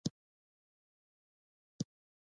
موږ چې خپله کوم محدودیت ورته وضع نه کړو